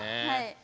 はい。